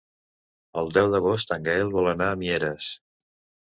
El deu d'agost en Gaël vol anar a Mieres.